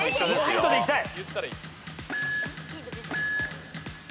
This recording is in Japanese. ノーヒントでいきたい！